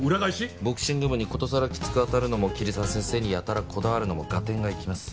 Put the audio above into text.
ボクシング部にことさらきつく当たるのも桐沢先生にやたらこだわるのも合点がいきます。